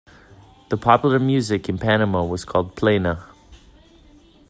The popular music in Panama was called plena.